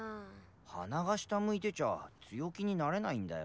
鼻が下向いてちゃ強気になれないんだよ。